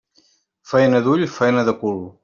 Faena d'ull, faena de cul.